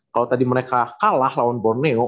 kalau tadi mereka kalah lawan borneo